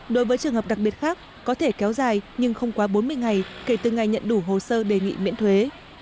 đối với trường hợp đặc biệt khác có thể kéo dài nhưng không quá bốn mươi ngày kể từ ngày nhận đủ hồ sơ đề nghị miễn thuế